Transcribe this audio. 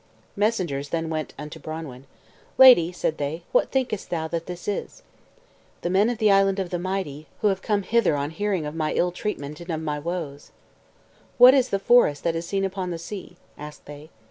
Messengers then went unto Branwen. "Lady," said they, "what thinkest thou that this is?" "The men of the Island of the Mighty, who have come hither on hearing of my ill treatment and of my woes." "What is the forest that is seen upon the sea?" asked they.